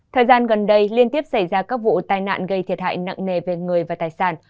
thời gian gần đây liên tiếp xảy ra các vụ tai nạn gây thiệt hại nặng nề về người và tài sản